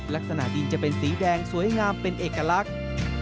ลักษณะดินจะเป็นสีแดงสวยงามเป็นเอกลักษณ์